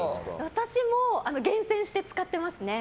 私も厳選して使ってますね。